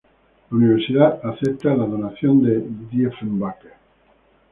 La Universidad acepta la donación de Diefenbaker.